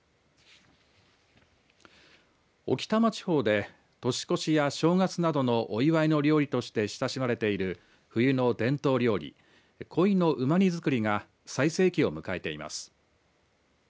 置賜地方で年越しや正月などのお祝いの料理として親しまれている冬の伝統料理こいのうま煮作りが最盛期を迎えています。